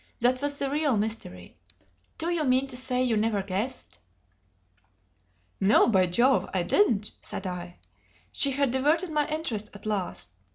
That was the real mystery. Do you mean to say you never guessed?" "No, by Jove I didn't!" said I. She had diverted my interest at last.